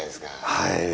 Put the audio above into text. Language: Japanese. はい。